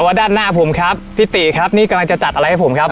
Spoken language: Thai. ด้านหน้าผมครับพี่ตีครับนี่กำลังจะจัดอะไรให้ผมครับ